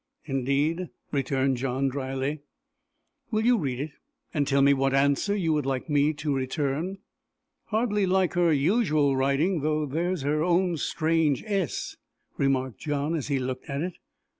"Indeed!" returned John dryly. "Will you read it, and tell me what answer you would like me to return." "Hardly like her usual writing though there's her own strange S!" remarked John as he looked at it.